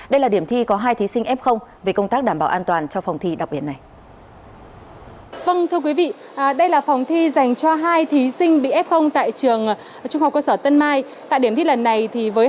đây là điểm thi có hai thí sinh f về công tác đảm bảo an toàn cho phòng thi đặc biệt này